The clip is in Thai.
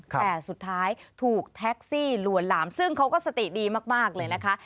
แต่สุดท้ายถูกแท็กซี่ลวนหลามซึ่งเขาก็สติดีมากเลยนะคะ